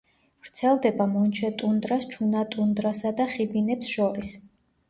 ვრცელდება მონჩეტუნდრას, ჩუნატუნდრასა და ხიბინებს შორის.